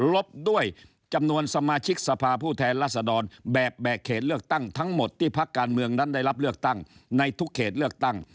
ลบด้วยจำนวนสมาชิกสภาผู้แทนรัศดรแบบแบกเขตเลือกตั้งทั้งหมดที่พักการเมืองนั้นได้รับเลือกตั้งในทุกเขตเลือกตั้ง